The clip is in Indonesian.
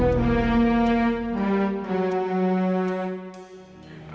itu sudah luncur saya